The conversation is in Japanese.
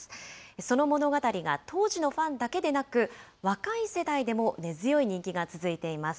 その物語が当時のファンだけでなく、若い世代でも根強い人気が続いています。